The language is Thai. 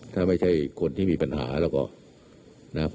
ถ้าไม่ใช่คนที่มีปัญหาล่ะก็